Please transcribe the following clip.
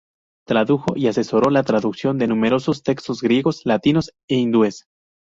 Tradujo y asesoró la traducción de numerosos textos griegos, latinos e hindúes.